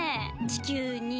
地球に。